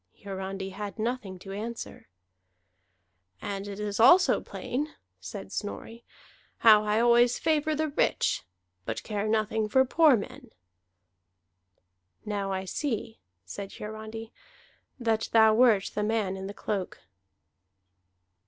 Hiarandi had nothing to answer. "And it is also plain," said Snorri, "how I always favor the rich, but care nothing for poor men." "Now I see," said Hiarandi, "that thou wert the man in the cloak."